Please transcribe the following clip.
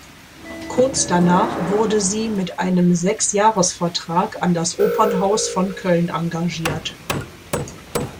Kurz danach wurde sie mit einem Sechsjahresvertrag an das Opernhaus von Köln engagiert.